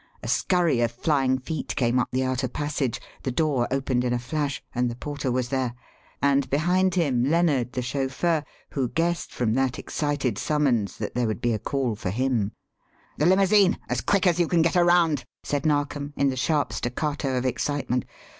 A scurry of flying feet came up the outer passage, the door opened in a flash, and the porter was there. And behind him Lennard, the chauffeur, who guessed from that excited summons that there would be a call for him. "The limousine as quick as you can get her round!" said Narkom in the sharp staccato of excitement.